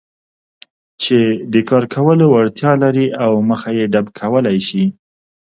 چې د کار کولو وړتیا لري او مخه يې ډب کولای شي.